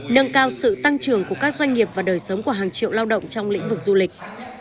nâng cao sự tăng trưởng của các doanh nghiệp và đời sống của hàng triệu lao động trong lĩnh vực du lịch